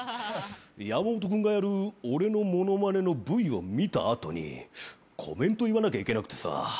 山本君がやる俺のモノマネのＶを見た後にコメント言わなきゃいけなくてさ。